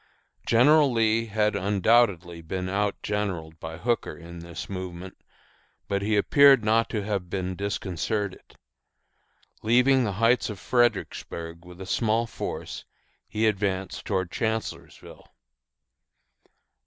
General Lee had undoubtedly been outgeneraled by Hooker in this movement, but he appeared not to have been disconcerted. Leaving the Heights of Fredericksburg with a small force, he advanced towards Chancellorsville.